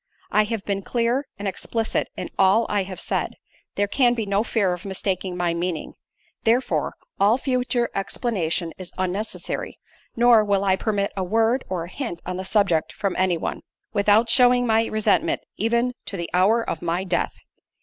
I have been clear and explicit in all I have said; there can be no fear of mistaking my meaning; therefore, all future explanation is unnecessary—nor will I permit a word, or a hint on the subject from any one, without shewing my resentment even to the hour of my death."